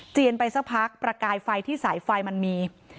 ไปสักพักประกายไฟที่สายไฟมันมี